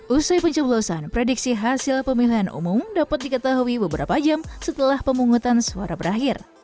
usai pencoblosan prediksi hasil pemilihan umum dapat diketahui beberapa jam setelah pemungutan suara berakhir